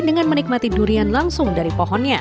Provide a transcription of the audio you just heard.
dengan menikmati durian langsung dari pohonnya